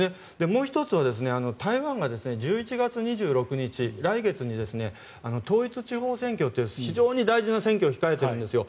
もう１つは台湾が１１月２６日来月に、統一地方選挙っていう非常に大事な選挙を控えているんですよ。